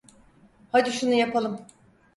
Hadi şunu yapalım.